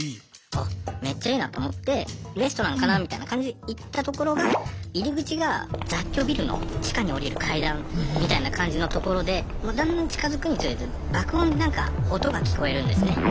あめっちゃいいなと思ってレストランかな？みたいな感じで行ったところが入り口が雑居ビルの地下に下りる階段みたいな感じのところでだんだん近づくにつれて爆音でなんか音が聞こえるんですね。